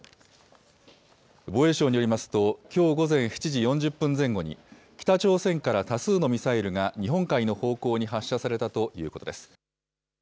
防衛省によりますと、きょう午前７時４０分前後に、北朝鮮から多数のミサイルが日本海の方向に発射されたということです。